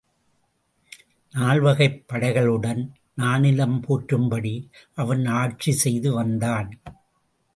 நால்வகைப் படைகளுடன் நானிலம் போற்றும்படி அவன் ஆட்சி செய்து வந்தான்.